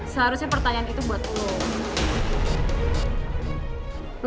seharusnya pertanyaan itu buat gue